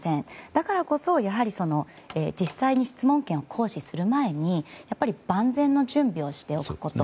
だからこそ実際に質問権を行使する前にやっぱり万全の準備をしておくこと。